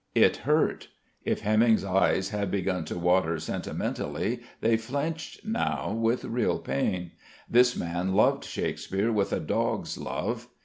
It hurt. If Heminge's eyes had begun to water sentimentally, they flinched now with real pain. This man loved Shakespeare with a dog's love.